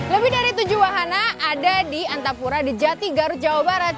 lebih dari tujuh wahana ada di antapura di jati garut jawa barat